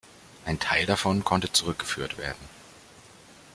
Ein Teil davon konnte zurückgeführt werden.